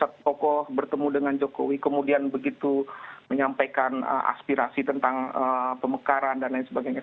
saya kira enam puluh satu tokoh bertemu dengan jokowi kemudian begitu menyampaikan aspirasi tentang pemekaran dan lain sebagainya